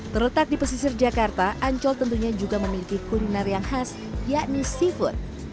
terletak di pesisir jakarta ancol tentunya juga memiliki kuliner yang khas yakni seafood